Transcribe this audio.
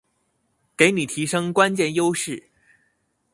給你提升關鍵優勢